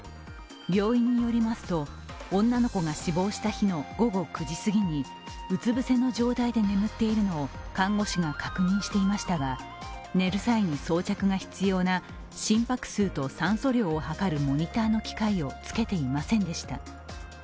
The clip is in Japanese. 病院によりますと、女の子が死亡した日の午後９時過ぎにうつぶせの状態で眠っているのを看護師の女性が確認しましたが、寝る際に装着が必要な心拍数と酸素量を測るモニターの機械をつけていませんでした。